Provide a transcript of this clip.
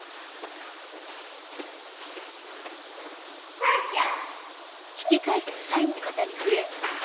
さーちゃん。